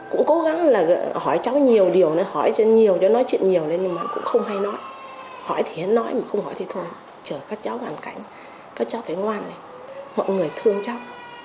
cũng cố gắng là hỏi cháu nhiều điều này hỏi cho nhiều nói chuyện nhiều này nhưng mà cũng không hay nói hỏi thì hãy nói mà không hỏi thì thôi chờ các cháu hoàn cảnh các cháu phải ngoan lại mọi người thương cháu